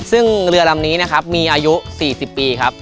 ซึ่งเรือลำนี้นะครับมีอายุ๔๐ปีครับ